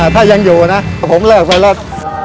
ถ้ายังอยู่นะผมเลิกไปรถ